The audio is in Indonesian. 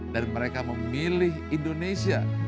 dan mereka memilih indonesia